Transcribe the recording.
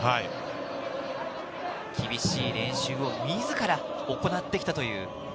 厳しい練習を自ら行ってきたという。